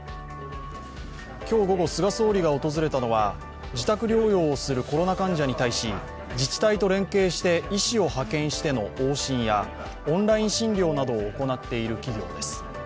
今日午後、菅総理が訪れたのは自宅療養をするコロナ患者に対し、自治体と連携して医師を派遣しての往診やオンライン診療などを行っている企業です。